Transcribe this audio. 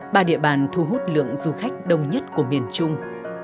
ba địa bàn thu hút lượng du khách đông nhất của miền trung